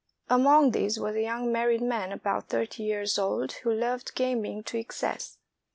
Among these was a young married man about thirty years old who loved gaming to excess.